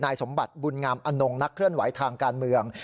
สมบัติบุญงามอนงนักเคลื่อนไหวทางการเมือง